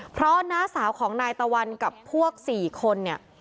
เพราะน้าสาวของนายตะวันกับพวก๔คนเนี่ย